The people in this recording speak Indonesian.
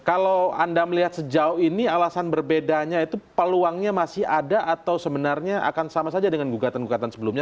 kalau anda melihat sejauh ini alasan berbedanya itu peluangnya masih ada atau sebenarnya akan sama saja dengan gugatan gugatan sebelumnya